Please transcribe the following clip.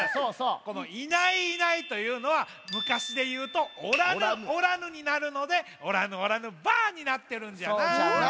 この「いないいない」というのはむかしでいうと「おらぬおらぬ」になるので「おらぬおらぬばぁ」になってるんじゃな。